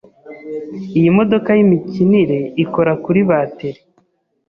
Iyi modoka yimikinire ikora kuri bateri.